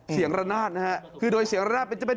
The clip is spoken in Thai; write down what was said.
เสียงระนาดนะฮะคือโดยเสียงระนาดไปจะไป